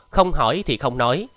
không hỏi thì không nói